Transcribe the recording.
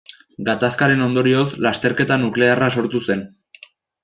Gatazkaren ondorioz lasterketa nuklearra sortu zen.